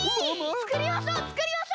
つくりましょうつくりましょう！